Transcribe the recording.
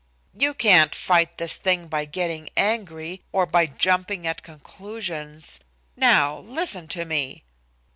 "You can't fight this thing by getting angry, or by jumping at conclusions. Now, listen to me."